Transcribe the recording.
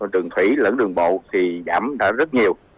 đường thủy lẫn đường bộ thì đảm đã rất nhiều